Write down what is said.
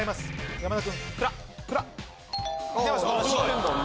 山田君。